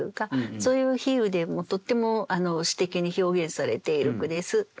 そういう比喩でとっても詩的に表現されている句です。